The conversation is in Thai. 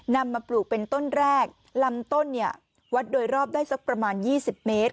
นำมาปลูกเป็นต้นแรกลำต้นเนี่ยวัดโดยรอบได้สักประมาณ๒๐เมตร